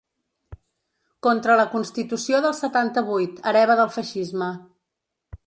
Contra la constitució del setanta-vuit, hereva del feixisme.